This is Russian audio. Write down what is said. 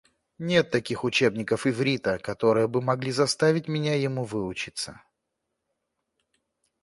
Нет таких учебников иврита, которые бы могли заставить меня ему выучиться.